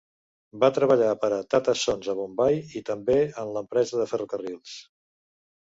Va treballar per a Tata Sons a Bombai i també en l'empresa de ferrocarrils.